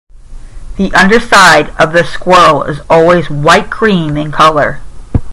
The underside of the squirrel is always white-cream in colour.